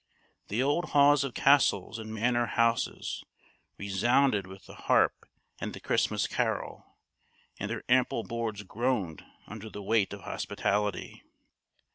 The old halls of castles and manor houses resounded with the harp and the Christmas carol, and their ample boards groaned under the weight of hospitality.